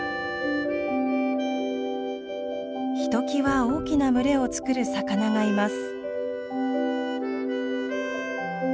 ひときわ大きな群れをつくる魚がいます。